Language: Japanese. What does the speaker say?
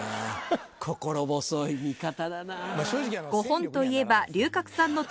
心細い味方だなぁ。